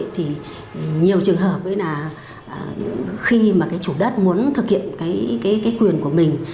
thì nhiều trường hợp khi mà chủ đất muốn thực hiện quyền của mình